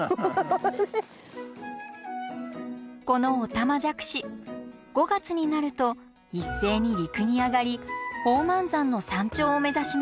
このオタマジャクシ５月になると一斉に陸に上がり宝満山の山頂を目指します。